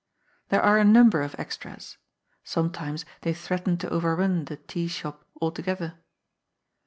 There are a number of extras. Sometimes they threaten to overrun the " teashop " altogether.